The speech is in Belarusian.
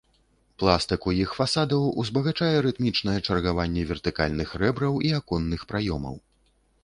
Пластыку іх фасадаў узбагачае рытмічнае чаргаванне вертыкальных рэбраў і аконных праёмаў.